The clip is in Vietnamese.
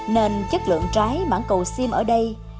nên chất lượng trái mãng cầu xiêm ở đây